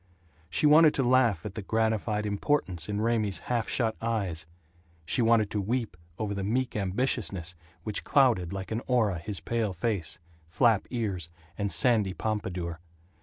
She wanted to laugh at the gratified importance in Raymie's half shut eyes; she wanted to weep over the meek ambitiousness which clouded like an aura his pale face, flap ears, and sandy pompadour.